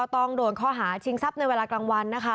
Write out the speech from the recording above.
ต้องโดนข้อหาชิงทรัพย์ในเวลากลางวันนะคะ